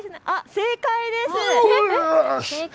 正解です。